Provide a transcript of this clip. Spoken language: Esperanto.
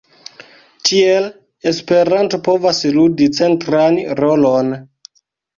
Tiel, Esperanto povas ludi centran rolon.